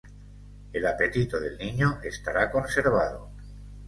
El apetito del niño estará conservado.